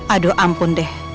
aduh ampun deh